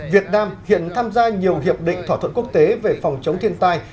việt nam hiện tham gia nhiều hiệp định thỏa thuận quốc tế về phòng chống thiên tai